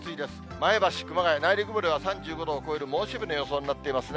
前橋、熊谷、内陸部では３５度を超える猛暑日の予想になっていますね。